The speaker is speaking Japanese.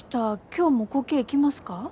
あ今日もこけえ来ますか？